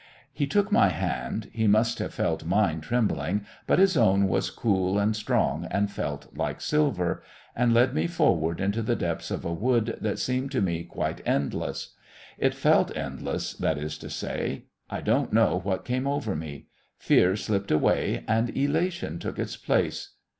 He took my hand he must have felt mine trembling, but his own was cool and strong and felt like silver and led me forward into the depths of a wood that seemed to me quite endless. It felt endless, that is to say. I don't know what came over me. Fear slipped away, and elation took its place....